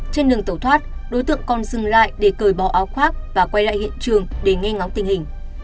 trên đường tẩu thoát đối tượng còn dừng lại để cởi bỏ áo khoác và quay lại hiện trường để nghe ngóng tình hình